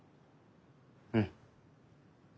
うん。